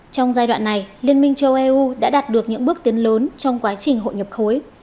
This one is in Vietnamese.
trong giai đoạn này liên minh châu âu đã đạt được những bước tiến lớn trong quá trình hội nhập khối